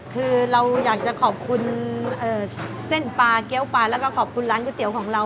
คือเราอยากจะขอบคุณเส้นปลาเกี้ยวปลาแล้วก็ขอบคุณร้านก๋วยเตี๋ยวของเรา